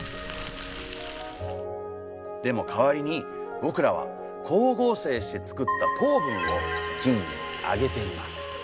でも代わりに僕らは光合成して作った糖分を菌にあげています。